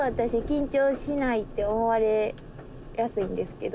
緊張しないって思われやすいんですけど。